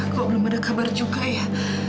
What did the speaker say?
kok belum ada kabar juga ya